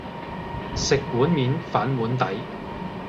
食碗面，反碗底